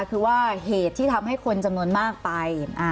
คือว่าเหตุที่ทำให้คนจำนวนมากไป